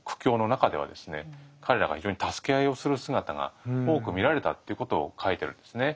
彼らが非常に助け合いをする姿が多く見られたっていうことを書いてるんですね。